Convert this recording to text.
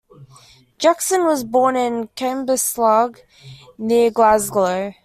Jackson was born in Cambuslang, near Glasgow.